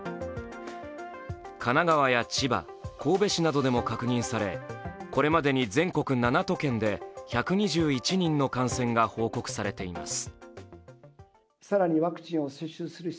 神奈川や千葉、神戸市などでも確認され、これまでに全国７都県で１２１人の感染が報告されています。